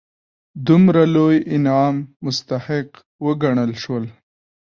دومره لوی انعام مستحق وګڼل شول.